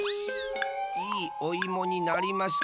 いいおいもになりました。